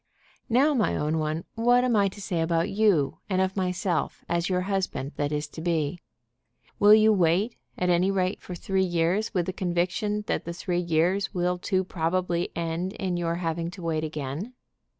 "Now, my own one, what am I to say about you, and of myself, as your husband that is to be? Will you wait, at any rate, for three years with the conviction that the three years will too probably end in your having to wait again?